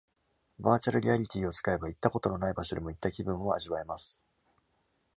バーチャルリアリティーを使えば行ったことのない場所でも行った気分を味わえます。